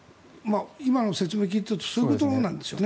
今の説明を聞いているとそういうことなんですよね。